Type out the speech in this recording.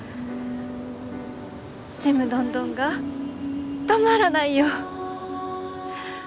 ちむどんどんが止まらないよ。